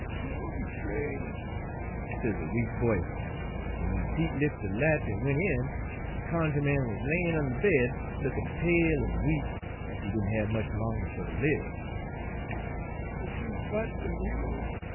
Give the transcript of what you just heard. " 'Pull de string,' sez a weak voice, en w'en Pete lif' de latch en went in, de cunjuh man was layin' on de bed, lookin' pale en weak, lack he didn' hab much longer fer ter lib. " 'Is you fotch' de mule?'